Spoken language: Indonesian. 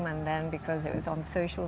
dan karena itu di media sosial